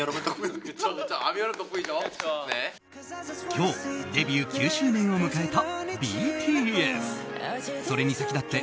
今日、デビュー９周年を迎えたＢＴＳ。